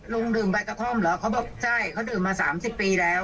ลุงดื่มใบกระท่อมเหรอเขาบอกใช่เขาดื่มมา๓๐ปีแล้ว